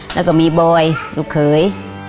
แล้วก็มีบอยลูกเขย